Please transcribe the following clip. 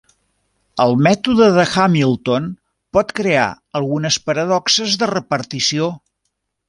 El mètode de Hamilton pot crear algunes paradoxes de repartició.